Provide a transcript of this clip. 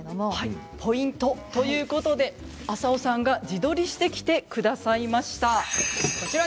ポイントということで浅尾さんが自撮りしてきてくださいました。